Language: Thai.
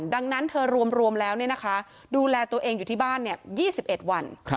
ดังนั้นเธอรวมแล้วดูแลตัวเองอยู่ที่บ้าน๒๑วัน